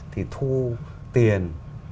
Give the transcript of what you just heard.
thì thu tiền